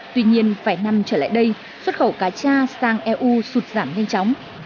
tuy nhiên vài năm trở lại đây xuất khẩu cá cha sang eu sụt giảm nhanh chóng